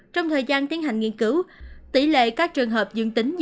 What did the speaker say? trong thời gian tiến hành nghiên cứu tỷ lệ các trường hợp dương tính như